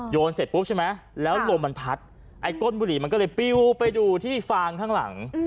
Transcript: เสร็จปุ๊บใช่ไหมแล้วลมมันพัดไอ้ก้นบุหรี่มันก็เลยปิ้วไปดูที่ฟางข้างหลัง